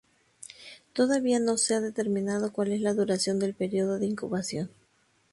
Todavía no se ha determinado cual es la duración del período de incubación.